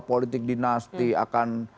politik dinasti akan